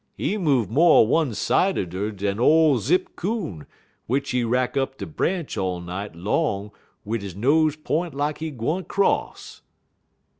He move mo' one sideder dan ole Zip Coon, w'ich he rack up de branch all night long wid he nose p'int lak he gwine 'cross."